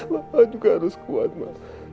mama juga harus kuat ma